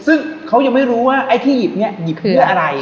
ซึ่งเขายังไม่รู้ว่าไอ้ที่หยิบเนี่ยหยิบเพื่ออะไร